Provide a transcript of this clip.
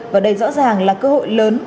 và đây rõ ràng là cơ hội lớn